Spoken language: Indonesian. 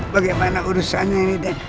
bagaimana urusannya ini deh